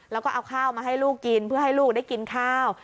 แล้วก็เอาข้าวมาให้ลูกกินเพื่อให้ลูกได้กินข้าว